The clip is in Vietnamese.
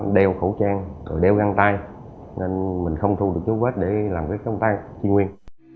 đeo khẩu trang đeo găng tay nên mình không thu được dấu vết để làm cái thông tay truy nguyên